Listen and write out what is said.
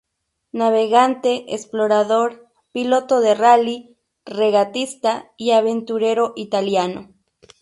Navegante, explorador, piloto de rally, regatista y aventurero italiano.